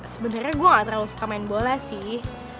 sebenarnya gue gak terlalu suka main bola sih